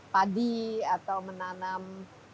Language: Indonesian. padi atau menanam